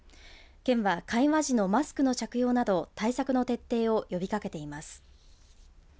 県は会話時のマスクの着用など対策の徹底を呼びかけています。